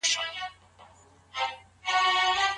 د عدې ټول لګښتونه د خاوند پر غاړه دي.